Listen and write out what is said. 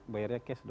bayarnya cash dong